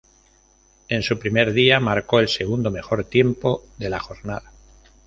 En su primer día, marcó el segundo mejor tiempo de la jornada.